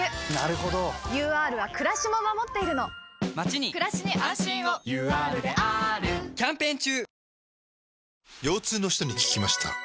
ＵＲはくらしも守っているのまちにくらしに安心をＵＲであーるキャンペーン中！